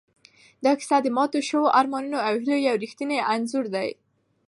دا کیسه د ماتو شوو ارمانونو او هیلو یو ریښتونی انځور دی.